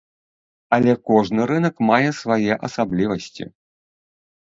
Але кожны рынак мае свае асаблівасці.